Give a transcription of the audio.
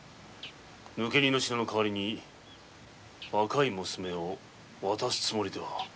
抜け荷の品の代わりに若い娘を渡すつもりでは？